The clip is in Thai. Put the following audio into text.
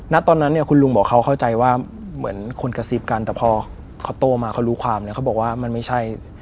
ตอนนั้นเนี่ยคุณลุงบอกเขาเข้าใจว่าเหมือนคนกระซิบกันแต่พอเขาโตมาเขารู้ความเนี่ยเขาบอกว่ามันไม่ใช่